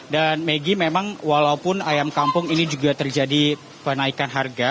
dan megi memang walaupun ayam kampung ini juga terjadi penaikan harga